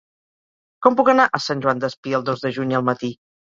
Com puc anar a Sant Joan Despí el dos de juny al matí?